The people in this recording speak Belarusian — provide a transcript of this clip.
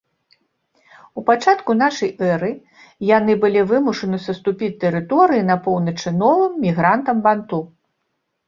У пачатку нашай эры яны былі вымушаны саступіць тэрыторыі на поўначы новым мігрантам-банту.